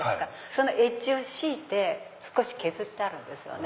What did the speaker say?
そのエッジを強いて少し削ってあるんですよね。